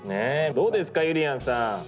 どうですかゆりやんさん。